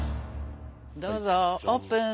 どうぞオープン！